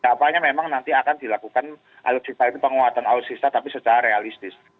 apanya memang nanti akan dilakukan alutsista itu penguatan alutsista tapi secara realistis